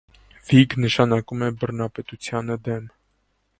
«Վիգ» նշանակում է բռնապետությանը դեմ։